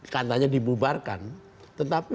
katanya dibubarkan tetapi